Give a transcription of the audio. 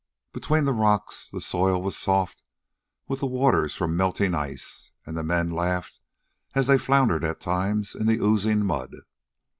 Between the rocks the soil was soft with the waters from melting ice, and the men laughed as they floundered at times in the oozing mud.